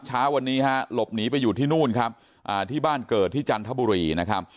เช้าวันนี้ฮะหลบหนีไปอยู่ที่นู่นครับอ่าที่บ้านเกิดที่จันทบุรีนะครับ